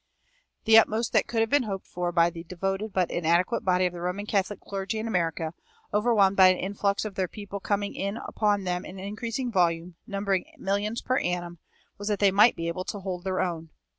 "[321:1] The utmost that could have been hoped for by the devoted but inadequate body of the Roman Catholic clergy in America, overwhelmed by an influx of their people coming in upon them in increasing volume, numbering millions per annum, was that they might be able to hold their own.